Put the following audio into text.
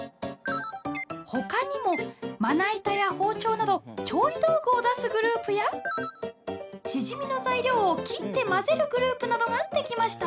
ほかにも、まな板や包丁など「調理道具を出す」グループやチヂミの材料を「切って混ぜる」グループなどができました。